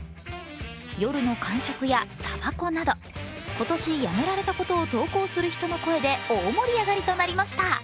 夜の間食やたばこなど、今年やめられたことを投稿する人の声で大盛り上がりとなりました。